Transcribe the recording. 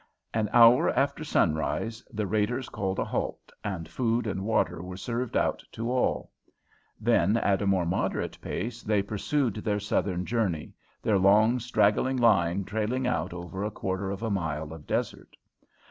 An hour after sunrise the raiders called a halt, and food and water were served out to all. Then at a more moderate pace they pursued their southern journey, their long, straggling line trailing out over a quarter of a mile of desert.